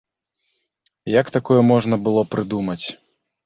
Як такое можна было прыдумаць?